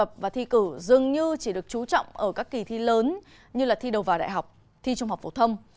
học tập và thi cử dường như chỉ được trú trọng ở các kỳ thi lớn như thi đầu vào đại học thi trung học phổ thông